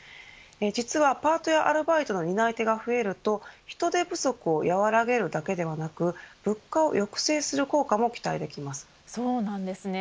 実はパートやアルバイトの担い手が増えると人手不足を和らげるだけではなく物価を抑制する効果もそうなんですね。